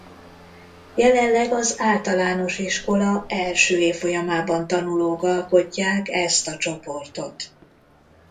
Jelenleg az általános iskola első évfolyamában tanulók alkotják ezt a csoportot.